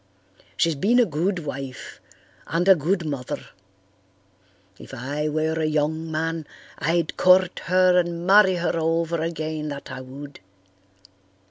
She's been a good wife and a good mother. If I were a young man I'd court her and marry her over again, that I would.